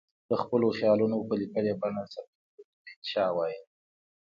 د خپلو خیالونو په لیکلې بڼه څرګندولو ته انشأ وايي.